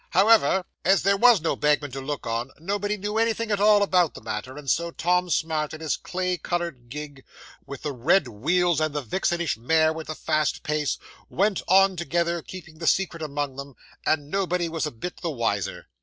However, as there was no bagman to look on, nobody knew anything at all about the matter; and so Tom Smart and his clay coloured gig with the red wheels, and the vixenish mare with the fast pace, went on together, keeping the secret among them, and nobody was a bit the wiser.